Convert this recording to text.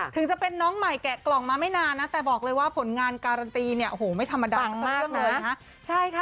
ถึงจะเป็นน้องใหม่แกะกล่องไม่นานแต่บอกเลยว่าผลงานการันตีไม่ธรรมดา